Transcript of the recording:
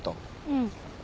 うん。